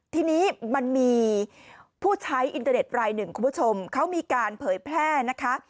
ทีนี้มันมีผู้ใช้อินเทอร์เน็ตรายหนึ่งคุณผู้ชมเขามีการเผยแพร่นะคะ